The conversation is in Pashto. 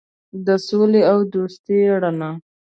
د سولې او دوستۍ رڼا.